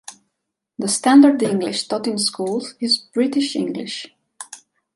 The standard English taught in schools is British English.